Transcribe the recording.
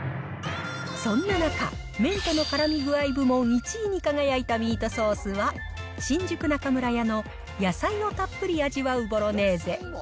そんな中、麺とのからみ具合部門１位に輝いたミートソースは、新宿中村屋の野菜をたっぷり味わうボロネーゼ。